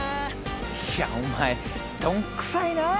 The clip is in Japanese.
いやお前どんくさいなあ。